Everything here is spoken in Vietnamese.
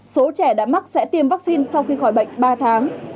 số trẻ đã mắc sẽ tiêm vaccine sau khi khỏi bệnh ba tháng